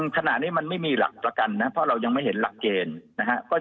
ขณะนี้มันไม่มีหลักประกันนะเพราะเรายังไม่เห็นหลักเกณฑ์นะครับ